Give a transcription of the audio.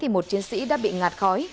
một chiến sĩ đã bị ngạt khói